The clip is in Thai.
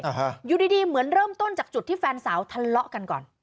ฮะอยู่ดีดีเหมือนเริ่มต้นจากจุดที่แฟนสาวทะเลาะกันก่อน